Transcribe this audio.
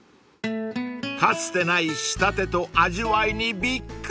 ［かつてない仕立てと味わいにびっくり］